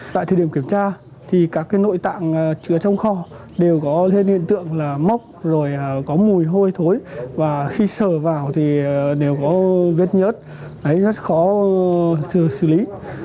tại thời điểm kiểm tra các nội tạng chứa trong kho đều có hiện tượng là mốc rồi có mùi hôi thối và khi sờ vào thì đều có vết nhớt rất khó xử lý